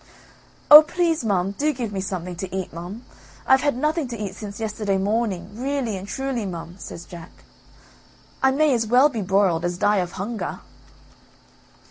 "Oh! please mum, do give me something to eat, mum. I've had nothing to eat since yesterday morning, really and truly, mum," says Jack. "I may as well be broiled, as die of hunger."